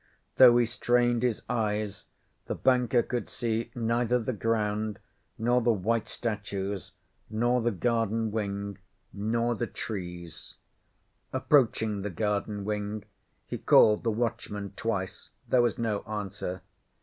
Though he strained his eyes, the banker could see neither the ground, nor the white statues, nor the garden wing, nor the trees. Approaching the garden wing, he called the watchman twice. There was no answer.